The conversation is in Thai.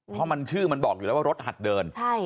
เพราะมันชื่อมันบอกอยู่แล้วว่ารถหัดเดิน